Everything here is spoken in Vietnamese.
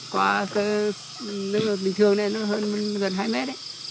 qua nước lực bình thường này nó hơn gần hai mét